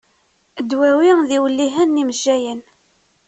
Ddwawi d iwellihen n yimejjayen.